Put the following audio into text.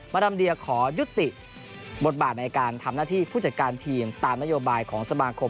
รัมเดียขอยุติบทบาทในการทำหน้าที่ผู้จัดการทีมตามนโยบายของสมาคม